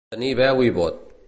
Tenir veu i vot.